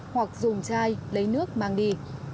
hoặc dùng chai lấy nước mang đi